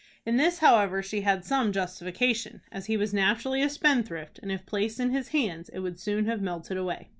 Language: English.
In this, however, she had some justification, as he was naturally a spendthrift, and, if placed in his hands, it would soon have melted away.